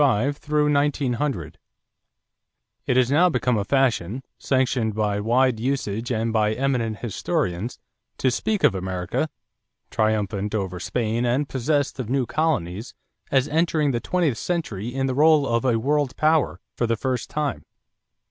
137 142. CHAPTER XX AMERICA A WORLD POWER (1865 1900) It has now become a fashion, sanctioned by wide usage and by eminent historians, to speak of America, triumphant over Spain and possessed of new colonies, as entering the twentieth century in the rôle of "a world power," for the first time.